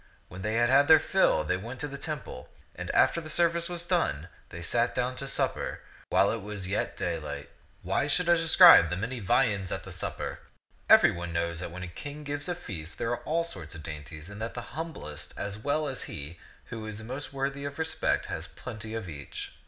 When they had had their fill, they went to the temple; and after the service was done, they sat down to supper, while it was yet daylight. Why should I describe the many viands at the supper ? Every one knows that when a king gives a feast, there are all sorts of dainties, and that the humblest as well as he who is most worthy of respect has plenty of each.